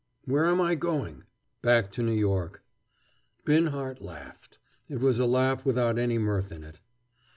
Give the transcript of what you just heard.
"Where am I going?" "Back to New York." Binhart laughed. It was a laugh without any mirth in it.